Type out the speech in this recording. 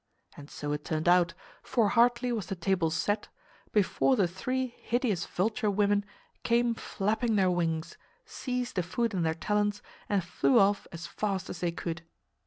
And so it turned out, for hardly was the table set before the three hideous vulture women came flapping their wings, seized the food in their talons and flew off as fast as they could.